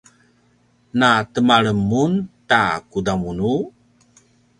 na temalem mun ta kudamunu?